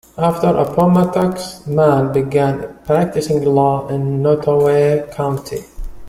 After Appomattox, Mann began practicing law in Nottoway County.